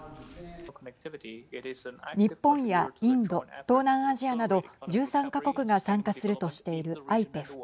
日本やインド東南アジアなど１３か国が参加するとしているＩＰＥＦ。